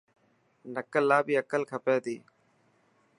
نڪل لا بي عقل کپي تي.